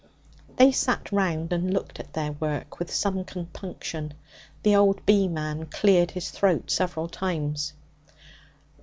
They sat round and looked at their work with some compunction. The old beeman cleared his throat several times.